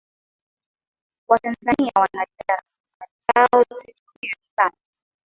watanzania wanalinda rasilimali zao zisitumiwe vibaya